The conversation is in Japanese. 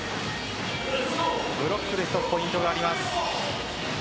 ブロックで１つポイントがあります。